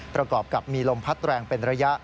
ประกอบกับมีลมพัดแรงเป็นระยะ